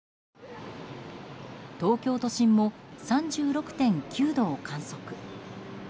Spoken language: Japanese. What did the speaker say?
東京都心も３６．９度を観測。